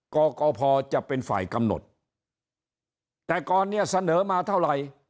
กกพจะเป็นฝ่ายกำหนดแต่ก่อนเนี่ยเสนอมาเท่าไหร่